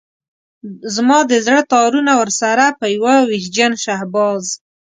زما د زړه تارونه ورسره په يوه ويرجن شهباز.